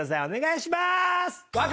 お願いしまーす！